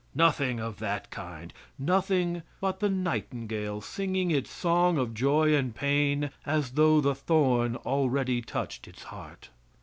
Nothing of that kind, nothing but the nightingale singing its song of joy and pain, as though the thorn already touched its heart.